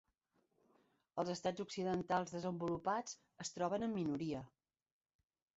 Els estats occidentals desenvolupats es troben en minoria.